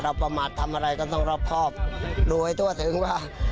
ประมาททำอะไรก็ต้องรอบครอบรู้ให้ทั่วถึงว่า